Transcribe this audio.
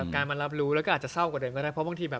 การมารับรู้ก็อาจจะเศร้ากว่าเดิมก็ได้